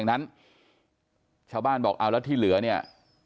นั้นชาวบ้านบอกเอาแล้วที่เหลือเนี่ย